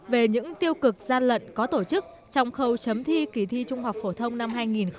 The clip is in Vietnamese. về những tiêu cực gian lận có tổ chức trong khâu chấm thi kỳ thi trung học phổ thông năm hai nghìn một mươi chín